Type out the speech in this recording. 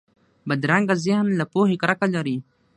بدرنګه ذهن له پوهې کرکه لري